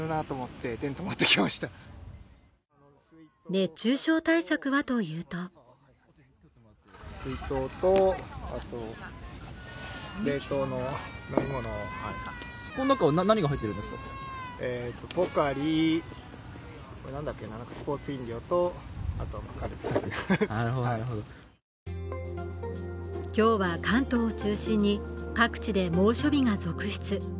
熱中症対策はというと今日は関東を中心に各地で猛暑日が続出。